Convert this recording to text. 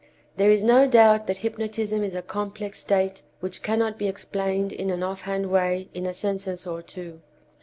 There is no doubt that hypnotism is a complex state which cannot be explained in an offhand way in a sentence or two.